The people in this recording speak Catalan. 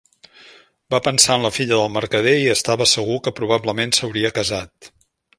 Va pensar en la filla del mercader, i estava segur que probablement s'hauria casat.